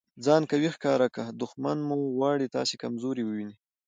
ځان قوي ښکاره که! دوښمن مو غواړي تاسي کمزوری وویني.